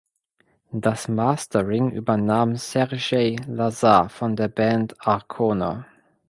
Das Mastering übernahm Sergei Lazar von der Band Arkona.